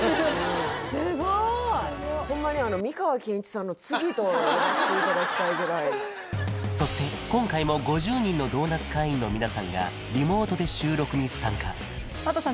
・すごいホンマにと呼ばせていただきたいぐらいそして今回も５０人のドーナツ会員の皆さんがリモートで収録に参加Ｍａｔｔさん